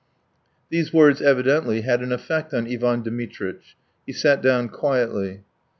These words evidently had an effect on Ivan Dmitritch. He sat down quietly.